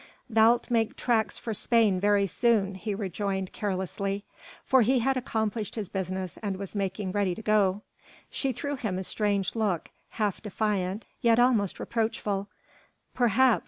"Thou'lt make tracks for Spain very soon," he rejoined carelessly, for he had accomplished his business and was making ready to go. She threw him a strange look, half defiant yet almost reproachful. "Perhaps!"